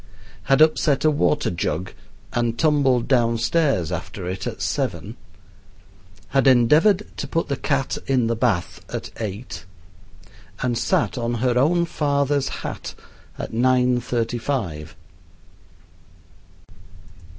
had upset a water jug and tumbled downstairs after it at seven; had endeavored to put the cat in the bath at eight; and sat on her own father's hat at nine thirty five.